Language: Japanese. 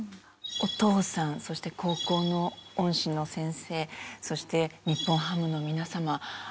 お父さんそして高校の恩師の先生そして日本ハムの皆様。